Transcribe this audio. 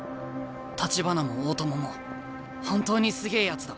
橘も大友も本当にすげえやつだ。